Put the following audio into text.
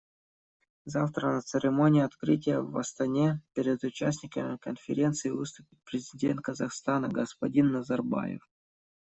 Завтра на церемонии открытия в Астане перед участниками Конференции выступит Президент Казахстана господин Назарбаев.